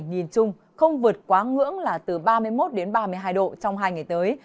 nhìn chung không vượt quá ngưỡng là từ ba mươi một đến ba mươi hai độ trong hai ngày tới